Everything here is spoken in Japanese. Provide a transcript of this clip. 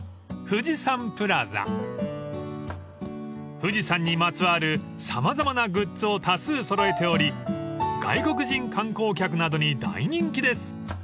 ［富士山にまつわる様々なグッズを多数揃えており外国人観光客などに大人気です］